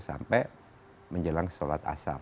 sampai menjelang sholat asal